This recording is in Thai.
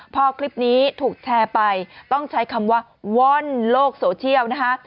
พอคลิปนี้ถูกแชร์ไปต้องใช้คำว่าว่อนโลกโซเชียลนะคะ